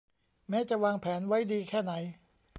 แม้จะวางแผนไว้ดีแค่ไหน